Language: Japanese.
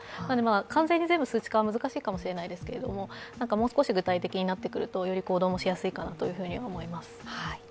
完全に全部数値化は難しいかもしれないですけれどももう少し具体的になってくるとより行動もしやすいかなと思います。